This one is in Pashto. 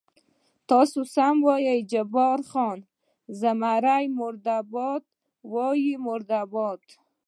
تاسې سمه وایئ، جبار خان: زمري مرده باد، وایم مرده باد.